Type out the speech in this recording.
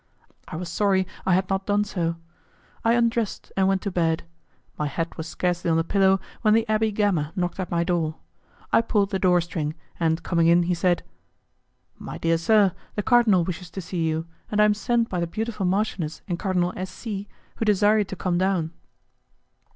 I was sorry I had not done so. I undressed and went to bed. My head was scarcely on the pillow when the Abbé Gama knocked at my door. I pulled the door string, and coming in, he said, "My dear sir, the cardinal wishes to see you, and I am sent by the beautiful marchioness and Cardinal S. C., who desire you to come down."